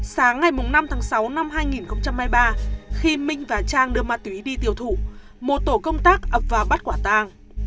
sáng ngày năm tháng sáu năm hai nghìn hai mươi ba khi minh và trang đưa ma túy đi tiêu thụ một tổ công tác ập vào bắt quả tàng